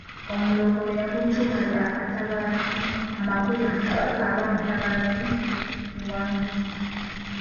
Omulongo we yamutuuma lya Katabaazi amakulu nti Kabaka aba mutabaazi muwanguzi.